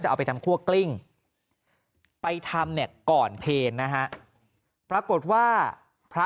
เอาไปทำคั่วกลิ้งไปทำเนี่ยก่อนเพลงนะฮะปรากฏว่าพระ